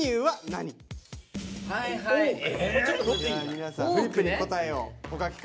皆さんフリップに答えをお書き下さい。